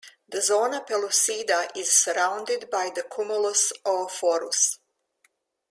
The zona pellucida is surrounded by the cumulus oophorus.